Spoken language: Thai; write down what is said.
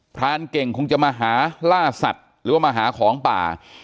รานเก่งคงจะมาหาล่าสัตว์หรือว่ามาหาของป่า